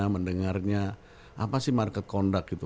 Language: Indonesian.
mendengarnya apa sih market conduct itu